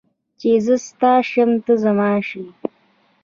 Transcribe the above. چې زه ستا شم ته زما شې